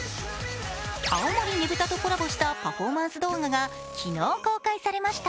青森ねぶたとコラボしたパフォーマンス動画が昨日、公開されました。